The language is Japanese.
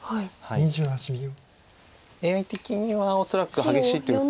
ＡＩ的には恐らく激しい手を打って。